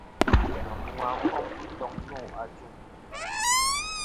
Afuŋa fom i toŋ nô ajuŋ.